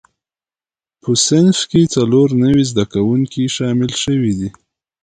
په صنف کې څلور نوي زده کوونکي شامل شوي دي.